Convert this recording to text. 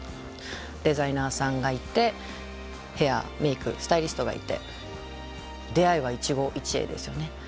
デザイナーさんがいてヘアメークスタイリストがいて出会いは一期一会ですよね。